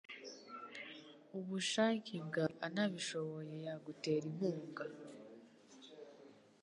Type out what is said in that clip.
ubushake bwawe anabishoye yagutera inkunga.